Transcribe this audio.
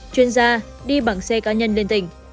chuyên gia đi bằng xe cá nhân lên tỉnh